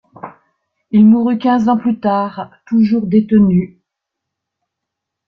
Il mourut quinze ans plus tard, toujours détenu.